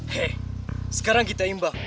hei sekarang kita imbang